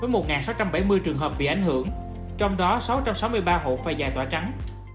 với một sáu trăm bảy mươi trường hợp bị ảnh hưởng trong đó sáu trăm sáu mươi ba hộp vai dài tỏa trắng